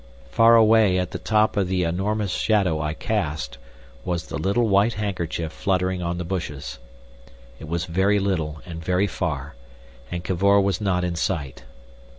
Far away at the top of the enormous shadow I cast was the little white handkerchief fluttering on the bushes. It was very little and very far, and Cavor was not in sight.